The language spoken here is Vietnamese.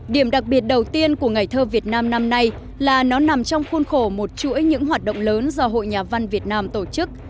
điểm đặc biệt đầu tiên của ngày thơ việt nam năm nay là nó nằm trong khuôn khổ một chuỗi những hoạt động lớn do hội nhà văn việt nam tổ chức